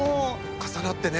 重なってね。